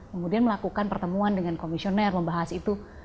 kemudian melakukan pertemuan dengan komisioner membahas itu